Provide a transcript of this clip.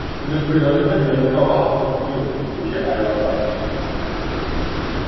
En el periodo intermedio, trabaja con un trío que incluye a Evan Parker.